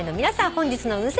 本日の運勢